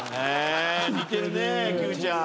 似てるねＱちゃん。